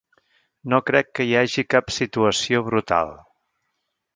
No crec que hi hagi cap situació brutal.